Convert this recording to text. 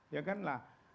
ya kan lah